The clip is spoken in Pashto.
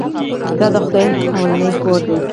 دا د خدای لومړنی کور دی.